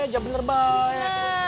eh ya bener baik